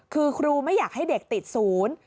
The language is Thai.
คือครูไม่อยากให้เด็กติดศูนย์